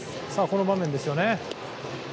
この場面ですよね。